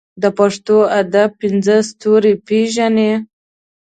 د پښتو ادب پنځه ستوري پېژنې.